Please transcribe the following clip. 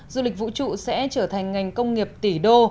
du lịch vũ trụ sẽ trở thành ngành công nghiệp tỷ đô